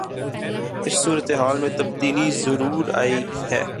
اس صورتحال میں تبدیلی ضرور آئی ہے۔